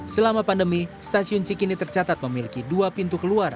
selama pandemi stasiun cikini tercatat memiliki dua pintu keluar